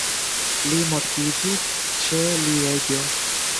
Li mortiĝis ĉe Lieĝo.